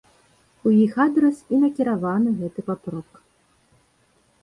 У іх адрас і накіраваны гэты папрок.